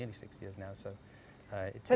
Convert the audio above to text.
hampir enam tahun sekarang